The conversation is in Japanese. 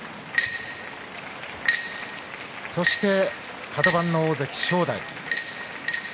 そしてカド番の大関正代。